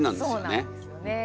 そうなんですよね。